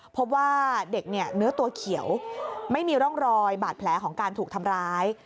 พบว่าเด็กเนี่ยเนื้อตัวเขียวไม่มีร่องรอยบาดแผลของการถูกทำร้าย